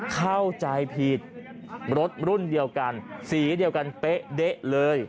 เข้าใจผิดรถรุ่นเดียวกันสีเดียวกันเป๊ะเด๊ะเลย